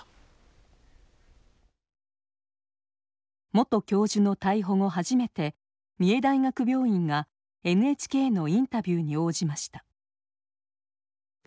元教授の逮捕後初めて三重大学病院がＮＨＫのインタビューに応じました。